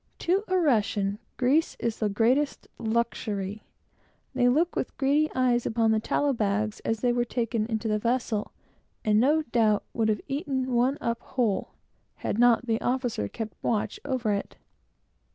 To a Russian, grease is the greatest luxury. They looked with greedy eyes upon the tallow bags as they were taken into the vessel, and, no doubt, would have eaten one up whole, had not the officer kept watch over it.